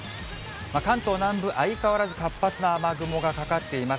関東南部、相変わらず活発な雨雲がかかっています。